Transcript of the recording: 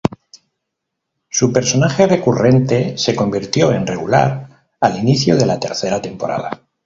Su personaje recurrente se convirtió en regular al inicio de la tercera temporada.